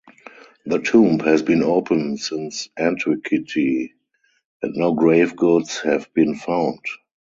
The tomb has been open since antiquity and no grave goods have been found.